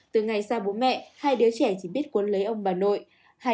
từ ngày xa bố mẹ hai đứa trẻ chỉ biết cuốn lấy ông bà nội